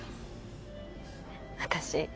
私